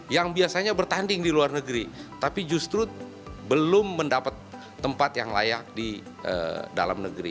yang biasanya bertanding di luar negeri tapi justru belum mendapat tempat yang layak di dalam negeri